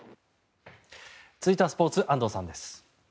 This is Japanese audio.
続いてはスポーツ安藤さんです。